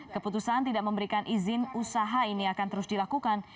keputusan tidak memberikan izin usaha ini akan terus dilakukan